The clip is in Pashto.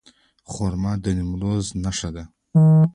خرما د نیمروز نښه ده.